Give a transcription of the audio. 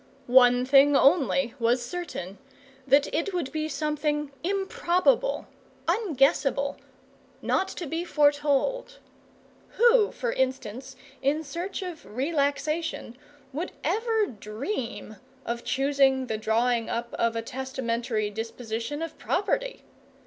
One thing only was certain, that it would be something improbable, unguessable, not to be foretold. Who, for instance, in search of relaxation, would ever dream of choosing the drawing up of a testamentary disposition of property?